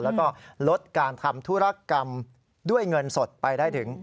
แล้วก็ลดการทำธุรกรรมด้วยเงินสดไปได้ถึง